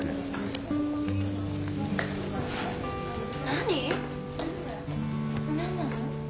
何なの？